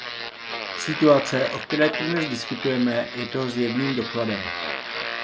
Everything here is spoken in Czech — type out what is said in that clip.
Situace, o které tu dnes diskutujeme, je toho zjevným dokladem.